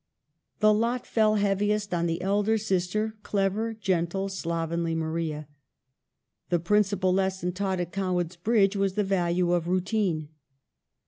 The lot fell heaviest on the elder sister, clever, gentle, slovenly Maria. The principal lesson taught at Cowan's Bridge was the value of routine.